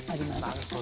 なるほど。